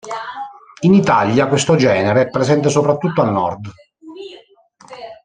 In Italia questo genere è presente soprattutto al Nord.